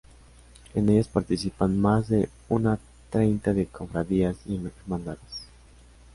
En ellas participan más de una treintena de cofradías y hermandades.